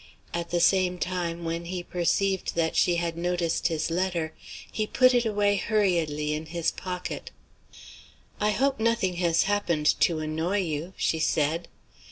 At the same time, when he perceived that she had noticed his letter, he put it away hurriedly in his pocket. "I hope nothing has happened to annoy you," she said.